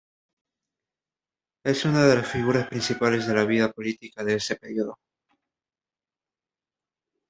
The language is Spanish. Es una de las figuras principales de la vida política de ese período.